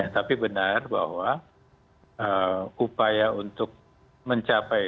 tapi benar bahwa upaya untuk mencapai